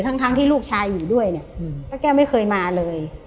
ทั้งที่ลูกชายอยู่ด้วยเนี่ยป้าแก้วไม่เคยมาเลย